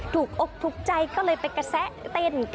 อกถูกใจก็เลยไปกระแสะเต้น